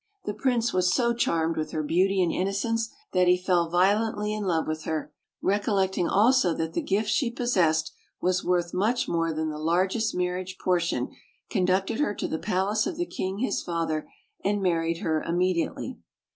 The prince was so charmed with her beauty and inno cence that he fell violently in love with her; and, recol lecting also that the gift she possessed was worth much more than the largest marriage portion, conducted her to the palace of the king his father, and married her imme diately.